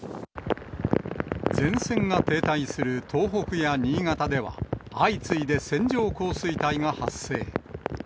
前線が停滞する東北や新潟では、相次いで線状降水帯が発生。